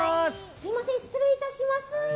すみません、失礼いたします。